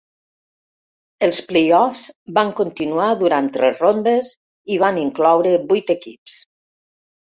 Els play-offs van continuar durant tres rondes i van incloure vuit equips.